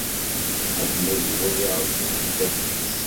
Iḥemmel ad iwali aɣelluy n tafukt.